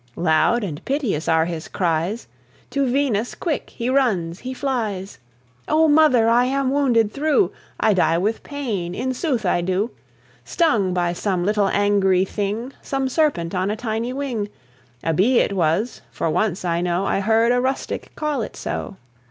Loud and piteous are his cries; To Venus quick he runs, he flies; "Oh, Mother! I am wounded through I die with pain in sooth I do! Stung by some little angry thing, Some serpent on a tiny wing A bee it was for once, I know, I heard a rustic call it so."